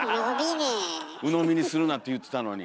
鵜呑みにするなって言ってたのに。